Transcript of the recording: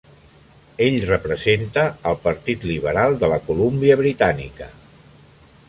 Ell representa al Partit Liberal de la Colúmbia Britànica.